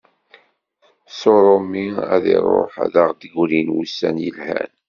S urumi ar d iruḥ, ad aɣ-d-grin wussan yelhan.